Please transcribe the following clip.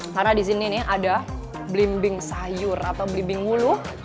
karena di sini ada belimbing sayur atau belimbing muluh